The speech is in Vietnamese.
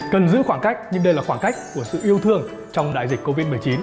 cần giữ khoảng cách nhưng đây là khoảng cách của sự yêu thương trong đại dịch covid một mươi chín